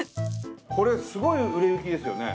これすごい売れ行きですよね？